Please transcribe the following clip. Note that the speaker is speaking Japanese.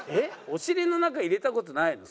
お尻の中入れた事ないの？